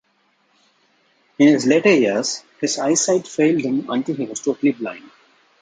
In his later years his eyesight failed him until he was totally blind.